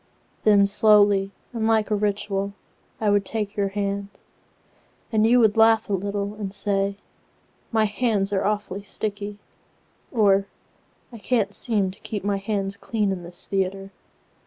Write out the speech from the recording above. Then slowly and like a ritualI would take your hand, And you would laugh a little and say,"My hands are awfully sticky"—or"I can't seem to keep my hands clean in this theatre."